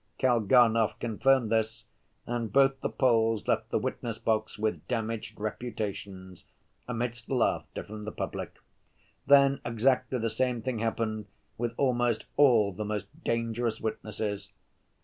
Kalganov confirmed this, and both the Poles left the witness‐box with damaged reputations, amidst laughter from the public. Then exactly the same thing happened with almost all the most dangerous witnesses.